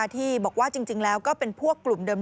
ที่บอกว่าจริงแล้วก็เป็นพวกกลุ่มเดิม